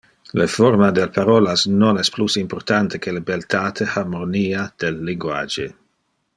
Le forma del parolas non es plus importante que le beltate, harmonia, del linguage.